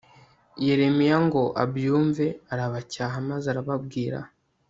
yeremiya ngo abyumve, arabacyaha, maze arababwira